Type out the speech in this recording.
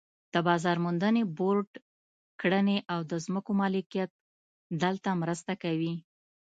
د بازار موندنې بورډ کړنې او د ځمکو مالکیت دلته مرسته کوي.